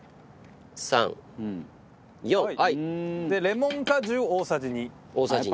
レモン果汁大さじ２。